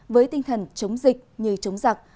với tinh thần chống dịch như chống giặc